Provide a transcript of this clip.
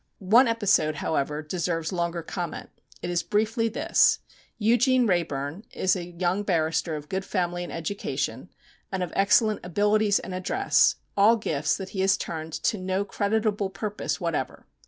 One episode, however, deserves longer comment. It is briefly this: Eugene Wrayburn is a young barrister of good family and education, and of excellent abilities and address, all gifts that he has turned to no creditable purpose whatever.